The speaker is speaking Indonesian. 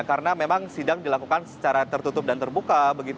karena memang sidang dilakukan secara tertutup dan terbuka